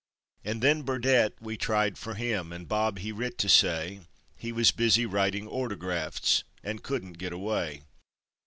And then Burdette, we tried fer him; and Bob he writ to say He wus busy writin' ortographts, and couldn't git away.